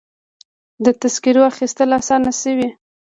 د تذکرو اخیستل اسانه شوي؟